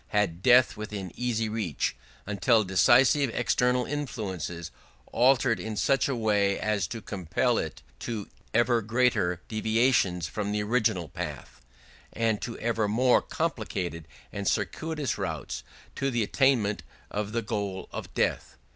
had death within easy reach ... until decisive external influences altered in such a way as to compel [it] to ever greater deviations from the original path of life, and to ever more complicated and circuitous routes to the attainment of the goal of death.